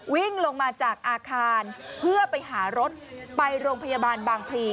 วิ่งลงมาจากอาคารเพื่อไปหารถไปโรงพยาบาลบางพลี